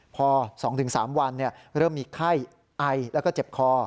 พอ๒๓วันเริ่มมีไข้ไอแล้วก็เจ็บคอ